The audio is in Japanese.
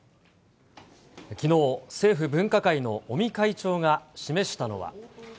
きのう、政府分科会の尾身会長が示したのは。